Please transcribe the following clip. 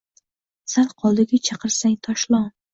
Sal qoldiki chaqirsang: «Toshlon!»